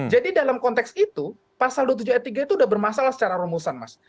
jadi dalam konteks itu pasal dua puluh tujuh ayat tiga itu sudah bermasalah secara rumusan mas